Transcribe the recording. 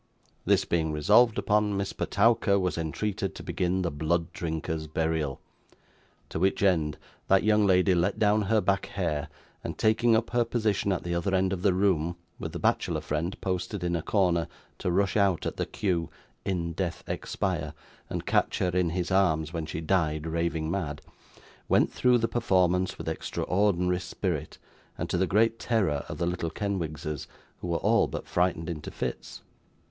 This being resolved upon, Miss Petowker was entreated to begin the Blood Drinker's Burial; to which end, that young lady let down her back hair, and taking up her position at the other end of the room, with the bachelor friend posted in a corner, to rush out at the cue 'in death expire,' and catch her in his arms when she died raving mad, went through the performance with extraordinary spirit, and to the great terror of the little Kenwigses, who were all but frightened into fits.